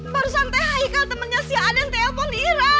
barusan te haikal temennya si aden telepon ira